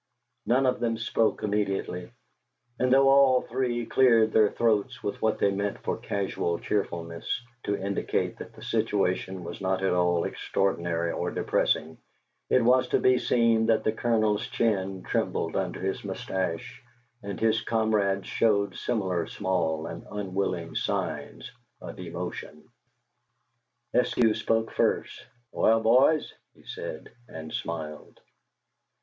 None of them spoke immediately, and though all three cleared their throats with what they meant for casual cheerfulness, to indicate that the situation was not at all extraordinary or depressing, it was to be seen that the Colonel's chin trembled under his mustache, and his comrades showed similar small and unwilling signs of emotion. Eskew spoke first. "Well, boys?" he said, and smiled.